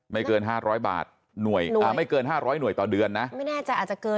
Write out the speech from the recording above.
ไม่เกิน๕๐๐บาทหน่วยหน่วยอ่าไม่เกิน๕๐๐หน่วยต่อเดือนนะไม่แน่ใจอาจจะเกิน